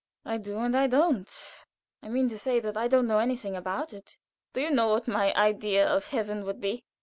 "I do, and I don't. I mean to say that I don't know anything about it." "Do you know what my idea of heaven would be?"